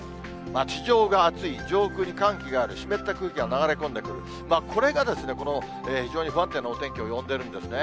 地上が暑い、上空に寒気がある、湿った空気が流れ込んでくる、これがこの非常に不安定なお天気を呼んでるんですね。